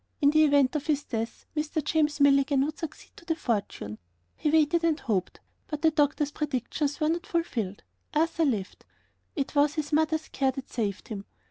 In the event of his death, Mr. James Milligan would succeed to the fortune. He waited and hoped, but the doctors' predictions were not fulfilled. Arthur lived. It was his mother's care that saved him.